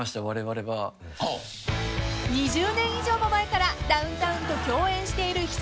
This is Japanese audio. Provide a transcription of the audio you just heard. ［２０年以上も前からダウンタウンと共演しているＨＩＳＡＳＨＩさん］